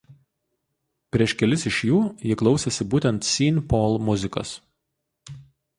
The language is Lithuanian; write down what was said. Prieš kelis iš jų ji klausėsi būtent Sean Paul muzikos.